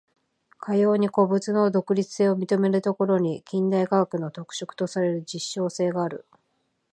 かように個物の独立性を認めるところに、近代科学の特色とされる実証性がある。